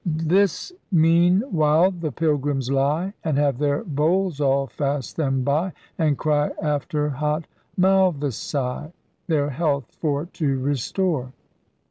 Thys meaneVhyle the pylgrymms lie. And have their bowls all fast them by, And cry after hot malvesy —* Their health for to restore.'